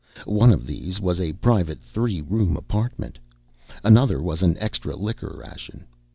One of these was a private three room apartment. Another was an extra liquor ration.